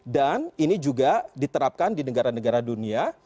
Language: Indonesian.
dan ini juga diterapkan di negara negara dunia